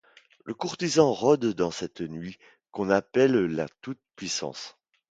Le courtisan rôde dans cette nuit qu’on appelle la toute-puissance.